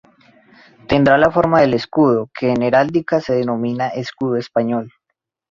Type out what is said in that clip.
Tendrá la forma del escudo que en heráldica se denomina escudo español.